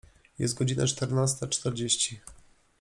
Jest godzina czternasta czterdzieści.